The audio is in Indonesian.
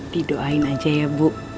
didoain aja ya bu